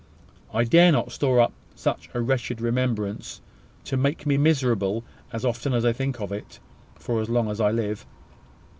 I dare not store up such a wretched remembrance, to make me miserable as often as I think of it, for as long as I live.